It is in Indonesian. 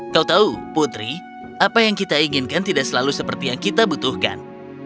kau tahu putri apa yang kita inginkan tidak selalu seperti yang kita butuhkan